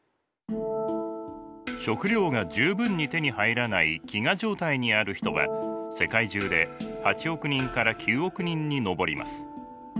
食料が十分に手に入らない飢餓状態にある人は世界中で８億人から９億人に上ります。